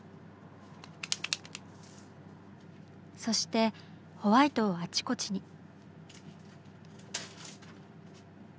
そしてホワイトをあちこちに。